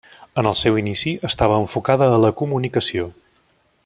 En el seu inici estava enfocada a la comunicació.